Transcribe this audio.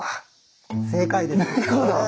正解です。